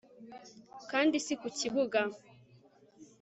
kandi si ku kibuga